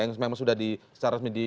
yang memang sudah secara resmi di